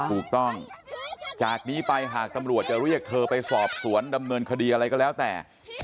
ถูกต้องจากนี้ไปหากตำรวจจะเรียกเธอไปสอบสวนดำเนินคดีอะไรก็แล้วแต่